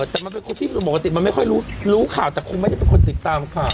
แต่มันเป็นคนที่ปกติมันไม่ค่อยรู้รู้ข่าวแต่คงไม่ได้เป็นคนติดตามข่าว